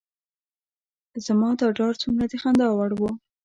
زما دا ډار څومره د خندا وړ و.